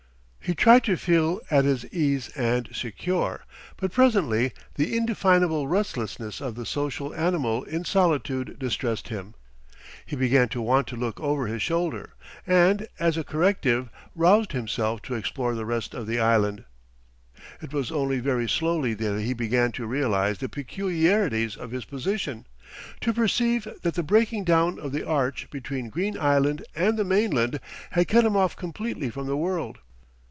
He tried to feel at his ease and secure, but presently the indefinable restlessness of the social animal in solitude distressed him. He began to want to look over his shoulder, and, as a corrective, roused himself to explore the rest of the island. It was only very slowly that he began to realise the peculiarities of his position, to perceive that the breaking down of the arch between Green Island and the mainland had cut him off completely from the world.